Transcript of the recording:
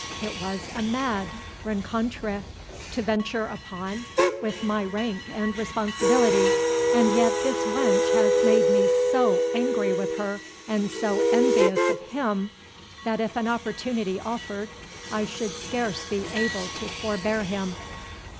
It was a mad rencontre to venture upon with my rank and responsibility—and yet this wench has made me so angry with her, and so envious of him, that if an opportunity offered, I should scarce be able to forbear him.